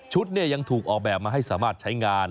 ยังถูกออกแบบมาให้สามารถใช้งาน